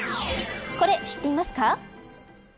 これ、知っていますか。